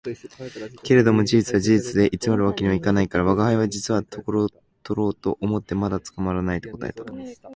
けれども事実は事実で偽る訳には行かないから、吾輩は「実はとろうとろうと思ってまだ捕らない」と答えた